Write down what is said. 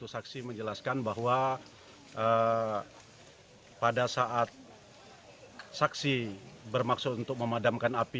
saksi menjelaskan bahwa pada saat saksi bermaksud untuk memadamkan api